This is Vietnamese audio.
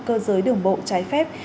cơ giới đường bộ trái phép